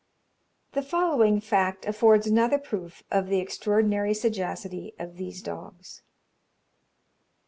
The following fact affords another proof of the extraordinary sagacity of these dogs.